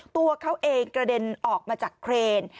ตัวเขาเองกระเด็นออกมาจากเครน